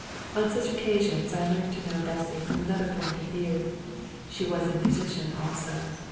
On such occasions I learnt to know Bessy from another point of view. She was a musician also.